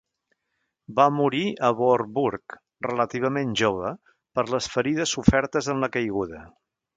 Va morir a Voorburg relativament jove per les ferides sofertes en una caiguda.